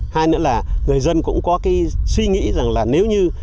hai nữa là người dân cũng có cái suy nghĩ rằng là nếu như